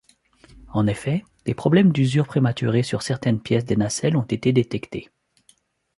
En effet, des problèmes d'usure prématurée sur certaines pièces des nacelles ont été détectés.